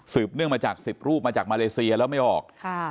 เนื่องมาจาก๑๐รูปมาจากมาเลเซียแล้วไม่ออก